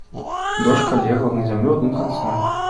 Дошка легла на зямлю адным канцом.